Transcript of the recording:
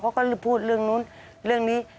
เขาก็พูดเรื่องนู้นเรื่องนี้